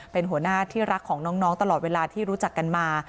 เป็นหัวหน้าที่รักของน้องตลอดเวลาที่รู้จักกันมา